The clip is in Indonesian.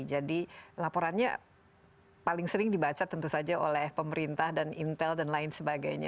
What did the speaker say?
jadi laporannya paling sering dibaca tentu saja oleh pemerintah dan intel dan lain sebagainya